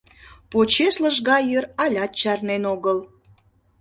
Почеш лыжга йӱр алят чарнен огыл.